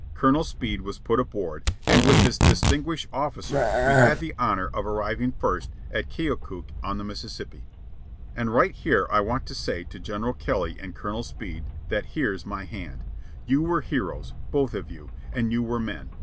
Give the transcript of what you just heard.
Colonel Speed was put aboard, and with this distinguished officer we had the honor of arriving first at Keokuk on the Mississippi. And right here I want to say to General Kelly and Colonel Speed that here's my hand. You were heroes, both of you, and you were men.